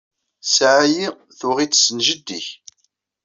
Ssaɛa-yi tuɣ-itt n jeddi-k.